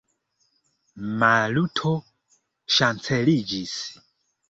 Maluto ŝanceliĝis.